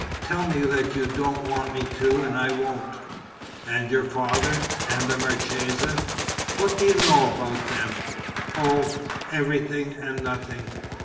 "Tell me that you don't want me to and I won't." "And your father? And the marchesa?" "What do you know about them?" "Oh ... everything and nothing!"